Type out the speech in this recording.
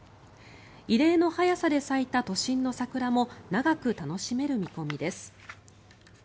異例の早さで咲いた都心の桜も長く楽しめる見込みです。